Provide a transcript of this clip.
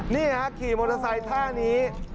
นี่ฮะขี่มอเตอร์ไซค์ท่านี้